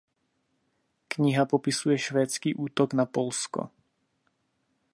Kniha popisuje švédský útok na Polsko.